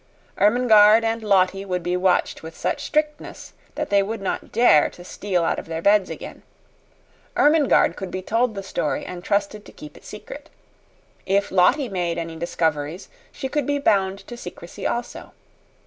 Ermengarde and Lottie would be watched with such strictness that they would not dare to steal out of their beds again. Ermengarde could be told the story and trusted to keep it secret. If Lottie made any discoveries, she could be bound to secrecy also.